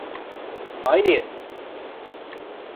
Aynıyız.